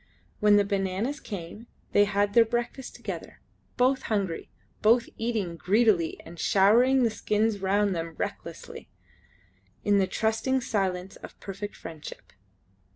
When the bananas came they had their breakfast together; both hungry, both eating greedily and showering the skins round them recklessly, in the trusting silence of perfect friendship.